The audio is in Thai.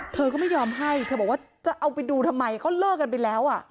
เธอก็ไม่ยอมให้เธอบอกว่าจะเอาไปดูทำไมก็เลิกกันไปแล้ว